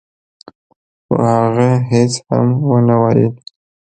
خو هغه هيڅ هم ونه ويل.